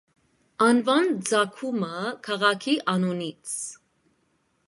Անվան ծագումը՝ քաղաքի անունից։